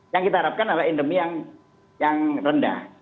yang kita harapkan adalah endemi yang rendah